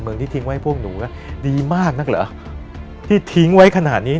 มึงที่ทิก้ไว้พวกหนูดีมากนักหรือที่ทิงไว้ขนาดนี้น่ะ